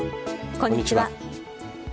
こんにちは。